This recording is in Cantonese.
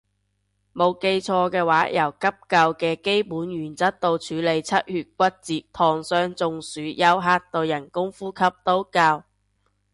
冇記錯嘅話由急救嘅基本原則到處理出血骨折燙傷中暑休克到人工呼吸都教